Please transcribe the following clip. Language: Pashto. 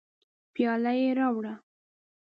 پیاله یې راوړه.